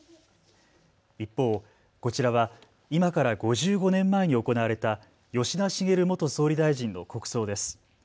一方、こちらは今から５５年前に行われた吉田茂元総理大臣の国葬です。